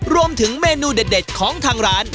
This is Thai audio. รวมถึงเมนูเด็ดของทางร้าน